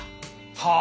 はあ！？